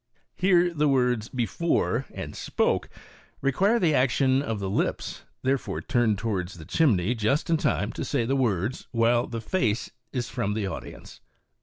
(Here the words " before"' and " spoke''' require the action of the lips, therefore, turn towards the chimney just in lime to say the words while the face is from the audience.)